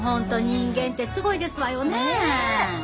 人間ってすごいですわよねえ。